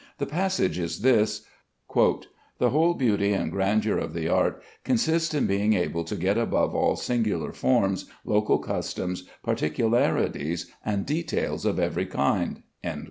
The passage is this: "The whole beauty and grandeur of the art consists in being able to get above all singular forms, local customs, particularities, and details of every kind."